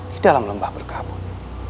di dalam lembah berkabut